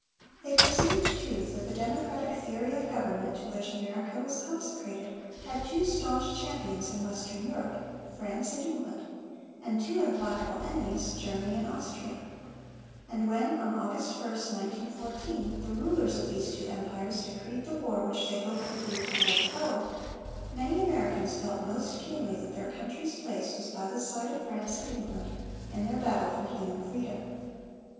They perceived, too, that the democratic theory of government to which America was consecrated had two staunch champions in western Europe, France and England, and two implacable enemies, Germany and Austria; and when, on August 1, 1914, the rulers of these two empires decreed the war which they hoped would lead to world power, many Americans felt most keenly that their country's place was by the side of France and England in their battle for human freedom.